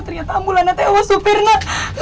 ternyata ambulan ada nga tengok nyupir nga